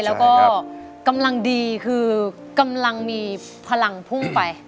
แล้วก็กำลังดีคือกำลังมีพลังพุ่งไป